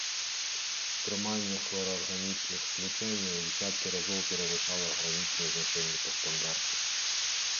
Утрыманне хлорарганічных злучэнняў у дзясяткі разоў перавышала гранічныя значэнні па стандарце.